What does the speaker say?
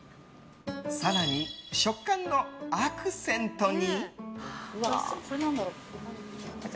更に、食感のアクセントに。